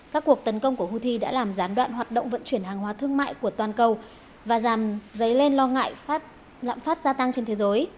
các cuộc tấn công của houthi đã làm gián đoạn hoạt động vận chuyển hàng hóa thương mại của toàn cầu và giảm dấy lên lo ngại lạm phát gia tăng trên thế giới